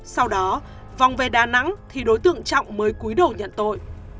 sau đó vòng về đà nẵng thì đối tượng trọng mới cúi đổ nhận tội